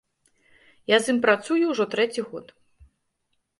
Я з ім працую ўжо трэці год.